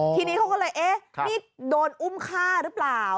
ทีนี้เขาก็เลยเอ๊ะนี่โดนอุ้มฆ่าหรือเปล่า